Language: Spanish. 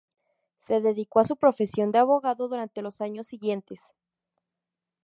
Se dedicó a su profesión de abogado durante los años siguientes.